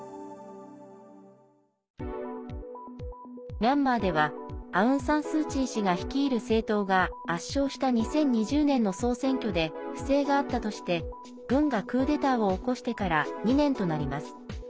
ミャンマーではアウン・サン・スー・チー氏が率いる政党が圧勝した２０２０年の総選挙で不正があったとして軍がクーデターを起こしてから２年となります。